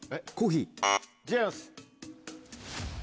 違います。